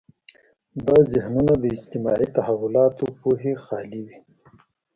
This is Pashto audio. دا ذهنونه د اجتماعي تحولاتو پوهې خالي وي.